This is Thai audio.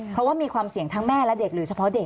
เพราะว่ามีความเสี่ยงทั้งแม่และเด็กหรือเฉพาะเด็ก